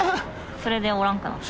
それでおらんくなった？